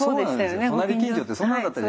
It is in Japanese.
隣近所ってそんなんだった。